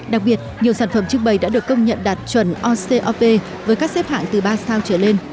đặc biệt nhiều sản phẩm trưng bày đã được công nhận đạt chuẩn ocop với các xếp hạng từ ba sao trở lên